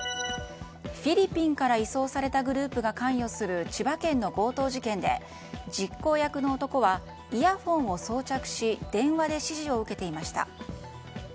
フィリピンから移送されたグループが関与する千葉県の強盗事件で実行役の男はイヤホンを装着し電話で指示を受けていました。